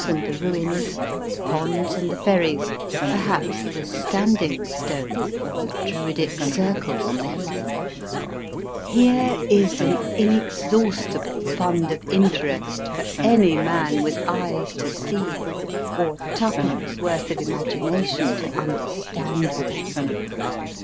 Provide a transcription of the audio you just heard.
and the ruins, the ponds and the ferries, perhaps the Standing Stone or the Druidic Circle on the heath ; here is an inex haustible fund of interest for any man with eyes to see or twopence worth of imagination to understand with